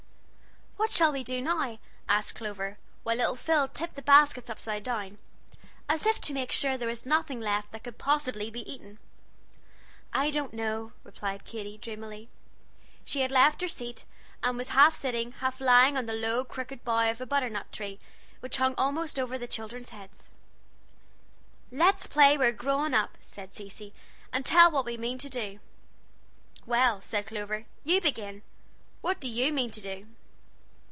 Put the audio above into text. "What shall we do now?" asked Clover, while little Phil tipped the baskets upside down, as if to make sure there was nothing left that could possibly be eaten. "I don't know," replied Katy, dreamily. She had left her seat, and was half sitting, half lying on the low, crooked bough of a butternut tree, which hung almost over the children's heads. "Let's play we're grown up," said Cecy, "and tell what we mean to do." "Well," said Clover, "you begin. What do you mean to do?"